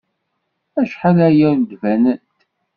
Acḥal aya ur d-banent.